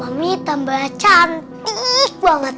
mami tambah cantik banget